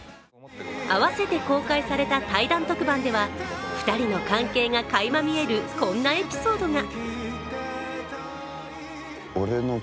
併せて公開された対談特番では、２人の関係がかいま見えるこんなエピソードが。